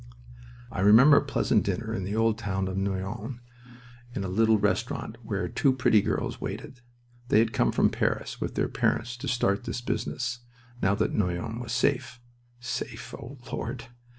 I remember a pleasant dinner in the old town of Noyon, in a little restaurant where two pretty girls waited. They had come from Paris with their parents to start this business, now that Noyon was safe. (Safe, O Lord!)